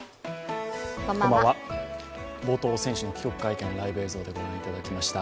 冒頭、選手の帰国会見、ライブ映像でご覧いただきました。